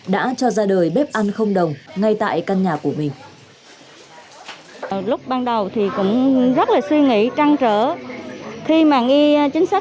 đã cho ra đời bếp ăn không đồng ngay tại căn nhà của mình